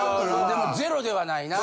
でもゼロではないな。